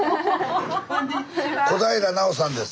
小平奈緒さんです。